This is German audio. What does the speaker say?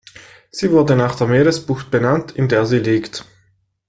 Sie wurde nach der Meeresbucht benannt, an der sie liegt.